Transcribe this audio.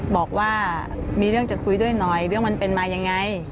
บอกว่ามีเรื่องจะคุยด้วยหน่อยเรื่องมันเป็นมายังไง